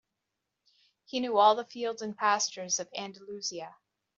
He knew all the fields and pastures of Andalusia.